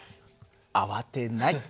慌てない。